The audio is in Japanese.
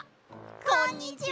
こんにちは！